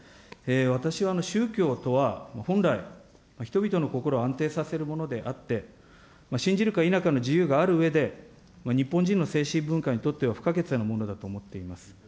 私は宗教とは本来、人々の心を安定させるものであって、信じるか否かの自由があるうえで、日本人の精神文化にとっては不可欠なものだと思っています。